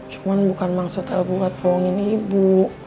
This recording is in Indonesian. cuman bukan maksud el buat bohongin ibu